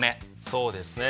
そうですね。